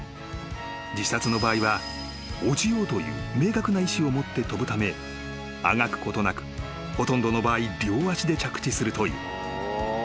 ［自殺の場合は落ちようという明確な意思を持って飛ぶためあがくことなくほとんどの場合両足で着地するという］